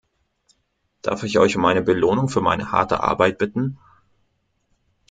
Darf ich euch um eine Belohnung für meine harte Arbeit bitten?